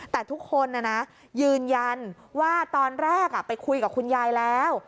แต่ทุกคนยืนยันว่าตอนแรกไปคุยกับคุณยายแล้ว